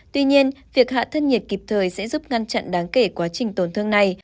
tuy nhiên việc hạ thân nhiệt kịp thời sẽ giúp ngăn chặn đáng kể quá trình tổn thương này